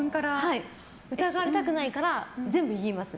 疑われたくないから全部言います。